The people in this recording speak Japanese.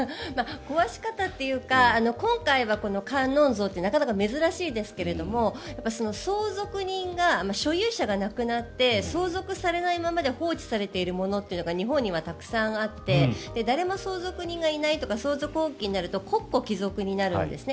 壊し方というか今回は、観音像ってなかなか珍しいですがやはり相続人が所有者が亡くなって相続されないままで放置されているものっていうのが日本にはたくさんあって誰も相続人がいないとか相続放棄になると国庫帰属になるんですね。